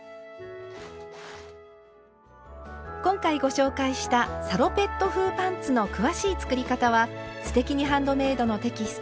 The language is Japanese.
今回ご紹介した「サロペット風パンツ」の詳しい作り方は「すてきにハンドメイド」のテキスト